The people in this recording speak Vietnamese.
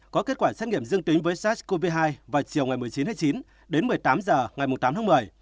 có kết quả xét nghiệm dương tính với sars cov hai vào chiều một mươi chín chín đến một mươi tám h ngày tám một mươi